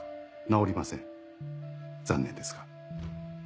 治りません残念ですが。